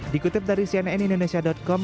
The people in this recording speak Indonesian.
dikutip dari cnnindonesia com